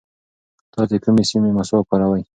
تاسو د کومې سیمې مسواک کاروئ؟